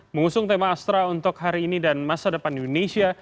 mengusung tema astra untuk hari ini dan masa depan indonesia